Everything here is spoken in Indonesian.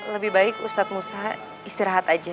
lebih baik ustadz musa istirahat aja